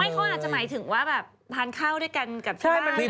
ไม่ค่อยอาจจะหมายถึงว่าแบบทานข้าวด้วยกันกับบ้าน